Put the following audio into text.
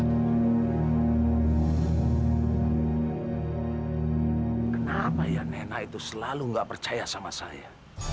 kenapa ya nena itu selalu gak percaya sama saya